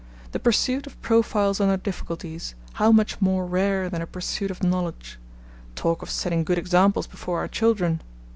The pursuit of profiles under difficulties how much more rare than a pursuit of knowledge! Talk of setting good examples before our children!